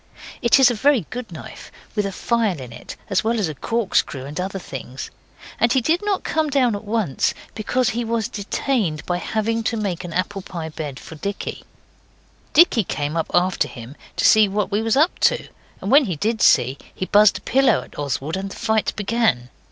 It is a very good knife, with a file in it, as well as a corkscrew and other things and he did not come down at once, because he was detained by having to make an apple pie bed for Dicky. Dicky came up after him to see what he was up to, and when he did see he buzzed a pillow at Oswald, and the fight began.